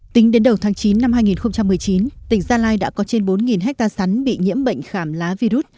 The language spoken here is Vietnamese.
tính đến đầu tháng chín năm hai nghìn một mươi chín tỉnh gia lai đã có trên bốn hectare sắn bị nhiễm bệnh khảm lá virus